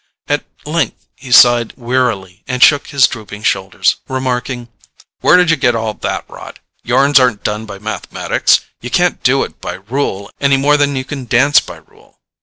At length he sighed wearily and shook his drooping shoulders, remarking: "Where did you get all that rot? Yarns aren't done by mathematics. You can't do it by rule any more than you can dance by rule.